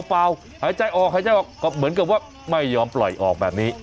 หายใจออกหายใจออกก็เหมือนกับว่าไม่ยอมปล่อยออกแบบนี้